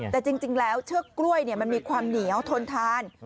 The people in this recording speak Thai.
แต่จริงแล้วเชือกกล้วยมันมีความเหนียวทนทาน